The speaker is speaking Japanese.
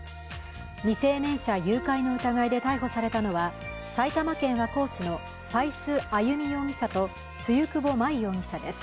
未成年者誘拐の疑いで逮捕されたのは埼玉県和光市の斉須歩容疑者と露久保舞容疑者です。